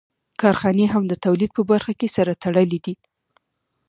کارخانې هم د تولید په برخه کې سره تړلې دي